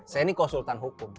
saya ini konsultan hukum